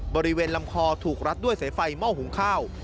บริเวณลำคอถูกรัดด้วยสายไฟหม้อหุงข้าว